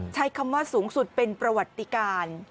ใช้คำว่าสูงสุดเป็นประวัติการ